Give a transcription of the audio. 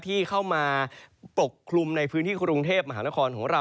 ที่เข้ามาปกคลุมในพื้นที่กรุงเทพมหานครของเรา